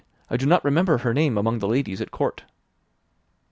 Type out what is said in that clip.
I do not remember her name among the ladies at court."